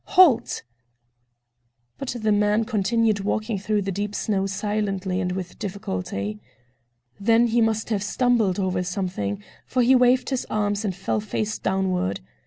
"Halt!" But the man continued walking through the deep snow silently and with difficulty. Then he must have stumbled over something, for he waved his arms and fell face downward.